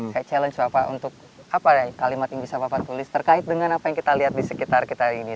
saya challenge apa untuk apa kalimat yang bisa bapak tulis terkait dengan apa yang kita lihat di sekitar kita ini